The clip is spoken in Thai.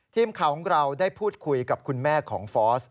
ทีมข่าวของเราได้พูดคุยกับคุณแม่ของฟอส